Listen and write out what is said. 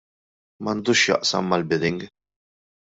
M'għandux x'jaqsam mal-bidding.